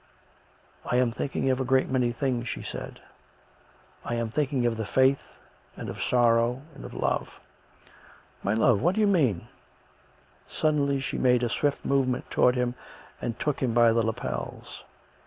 " I am thinking of a great many things," she said. " I am thinking of the Faith and of sorrow and of love." " My love, what do you mean ?" Suddenly she made a swift movement towards him and took him by the lapels.